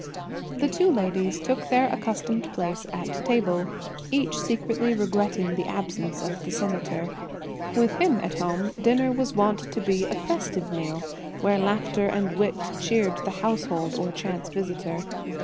The two ladies took their accustomed places at table, each secretly regretting the absence of the Senator. With him at home, dinner was wont to be a festive meal, where laughter and wit cheered the household or chance visitor.